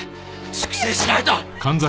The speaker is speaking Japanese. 粛清しないと！